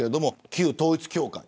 旧統一教会。